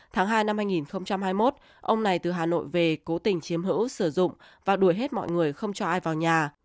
tháng hai năm hai nghìn hai mươi một ông này từ hà nội về cố tình chiếm hữu sử dụng và đuổi hết mọi người không cho ai vào nhà